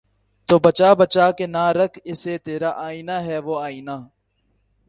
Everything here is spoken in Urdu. تو بچا بچا کے نہ رکھ اسے ترا آئنہ ہے وہ آئنہ